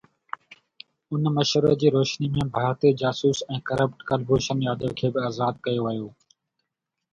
ان مشوري جي روشني ۾ ڀارتي جاسوس ۽ ڪرپٽ ڪلڀوشن ياديو کي به آزاد ڪيو وڃي.